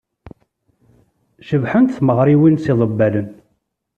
Cebḥent tmeɣriwin s yiḍebbalen.